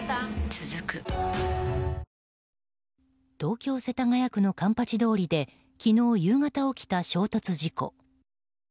続く東京・世田谷区の環八通りで昨日夕方起きた衝突事故。